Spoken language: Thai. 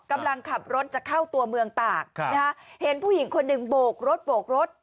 กำลังขับรถจะเข้าตัวเมืองตากนะฮะเห็นผู้หญิงคนหนึ่งโบกรถโบกรถ